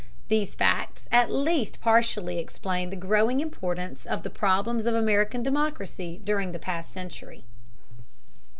These facts at least partially explain the growing importance of the problems of American democracy during the past century.